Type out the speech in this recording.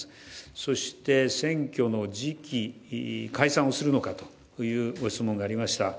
そして、選挙の時期、解散をするのかというご質問がありました。